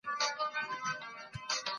د مېوو خوړل د بدن زینت دی.